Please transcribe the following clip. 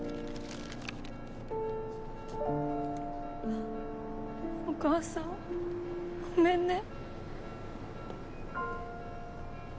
うっお母さんごめんね。